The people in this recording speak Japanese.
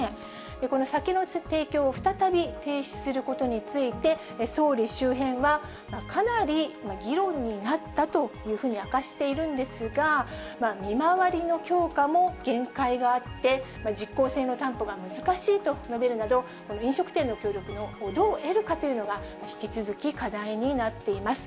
この酒の提供を再び停止することについて、総理周辺は、かなり議論になったというふうに明かしているんですが、見回りの強化も限界があって、実効性の担保が難しいと述べるなど、この飲食店の協力をどう得るかというのは引き続き、課題になっています。